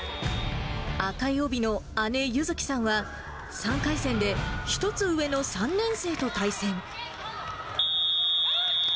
赤い帯の姉、優月さんは、３回戦で１つ上の３年生と対戦。